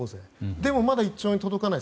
でも、まだ１兆円に届かない。